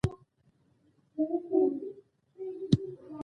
د خپلو ارزښتناکو اثارو له امله نړیوال شهرت لري.